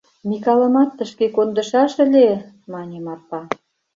— Микалымат тышке кондышаш ыле! — мане Марпа.